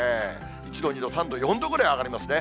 １度、２度、３度、４度ぐらい上がりますね。